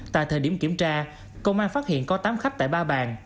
tại thời điểm kiểm tra công an phát hiện có tám khách tại ba bàn